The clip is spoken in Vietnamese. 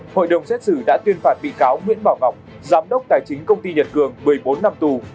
hội đồng xét xử đã tuyên phạt bị cáo nguyễn bảo ngọc giám đốc tài chính công ty nhật cường một mươi bốn năm tù